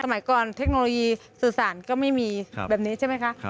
สมัยก่อนเทคโนโลยีสื่อสารก็ไม่มีแบบนี้ใช่ไหมคะ